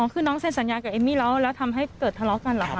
คือน้องเซ็นสัญญากับเอมมี่แล้วแล้วทำให้เกิดทะเลาะกันเหรอคะ